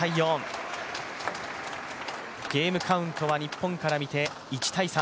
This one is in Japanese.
ゲームカウントは日本から見て１−３。